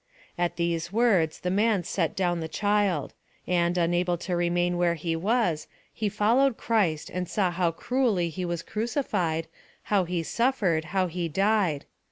At these words the man set down the child; and, unable to remain where he was, he followed Christ, and saw how cruelly He was crucified, how He suffered, how He died.